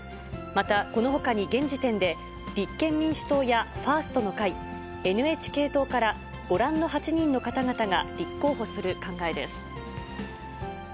またこのほかに現時点で、立憲民主党やファーストの会、ＮＨＫ党からご覧の８人の方々が立候補する考えです。